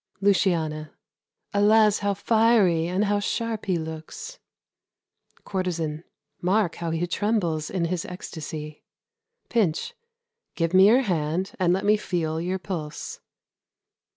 Luciana. Alas! how fiery and how sharp he looks! Courtesan. Mark how he trembles in his extasy! Pinch. Give me your hand, and let me feel your pulse.